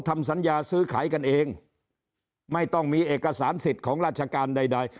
ทำสัญญาซื้อขายกันเองไม่ต้องมีเอกสารสิทธิ์ของราชการใดใด